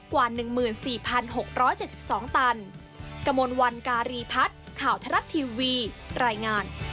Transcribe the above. กว่า๑๔๖๗๒ตัน